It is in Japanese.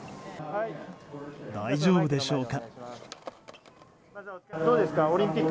大丈夫でしょうか。